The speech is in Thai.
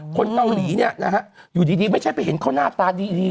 คนเกาหลีเนี่ยนะฮะอยู่ดีไม่ใช่ไปเห็นเขาหน้าตาดี